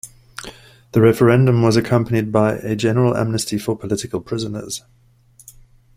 The referendum was accompanied by a general amnesty for political prisoners.